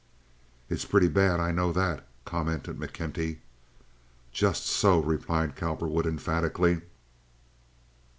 "It's pretty bad; I know that," commented McKenty. "Just so," replied Cowperwood, emphatically.